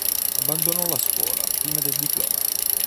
Abbandonò la scuola prima del diploma.